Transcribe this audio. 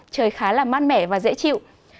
trời khá là mát mẻ và dễ chịu